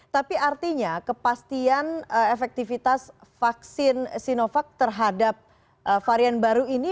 tapi artinya kepastian efektivitas vaksin sinovac terhadap varian baru ini